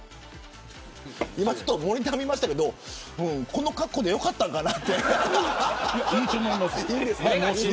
今、モニター見ましたけどこの格好でよかったんかな。